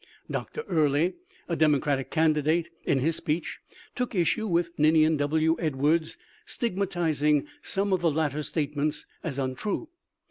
Dr. Early, a Democratic candidate, in his speech took issue with Ninian W. Edwards, stigma tizing some of the latter's statements as untrue.